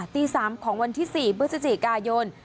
ตี๓ของวันที่๔พฤศจิกายน